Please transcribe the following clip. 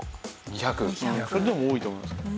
それでも多いと思いますけど。